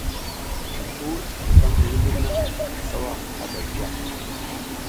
Da ki wuɗ hilfa ngi hindir na, sawa ada a viya.